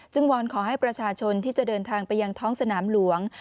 วอนขอให้ประชาชนที่จะเดินทางไปยังท้องสนามหลวง